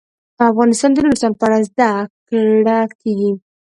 افغانستان کې د نورستان په اړه زده کړه کېږي.